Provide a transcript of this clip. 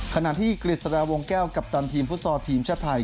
ขณะที่กริสระวงแก้วกัปตันทีมผู้สอนทีมชาติไทย